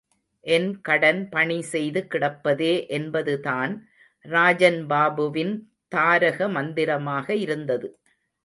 என் கடன் பணி செய்து கிடப்பதே என்பது தான் ராஜன் பாபுவின் தாரக மந்திரமாக இருந்தது.